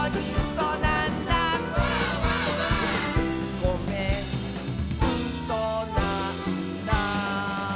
「ごめんうそなんだ」